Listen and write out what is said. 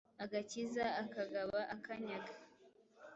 agakiza, akagaba akanyaga.